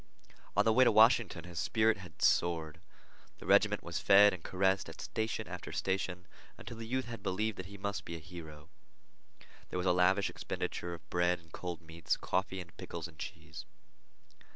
On the way to Washington his spirit had soared. The regiment was fed and caressed at station after station until the youth had believed that he must be a hero. There was a lavish expenditure of bread and cold meats, coffee, and pickles and cheese.